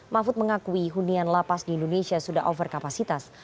mahfud mengakui hunian lapas di indonesia sudah overkapasitas